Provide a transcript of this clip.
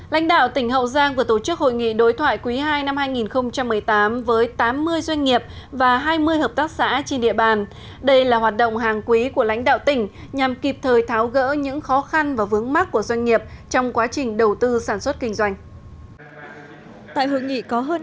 lãnh đạo tỉnh hậu giang vừa tổ chức hội nghị đối thoại quý ii năm hai nghìn một mươi tám với tám mươi doanh nghiệp và hai mươi hợp tác xã trên địa bàn